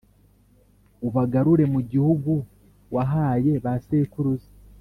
ubagarure mu gihugu wahaye ba sekuruza